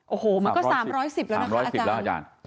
โอ้โหมันก็๓๑๐แล้วนะคะอาจารย์